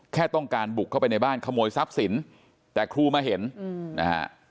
แค่ต้องการบุกเข้าไปในบ้านขโมยทรัพย์สินแต่ครูมาเห็นนะฮะ